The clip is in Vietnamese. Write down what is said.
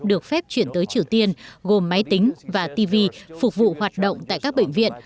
được phép chuyển tới triều tiên gồm máy tính và tv phục vụ hoạt động tại các bệnh viện